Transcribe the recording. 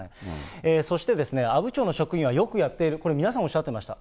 そして阿武町の職員はよくやっている、これ、皆さんおっしゃっていました。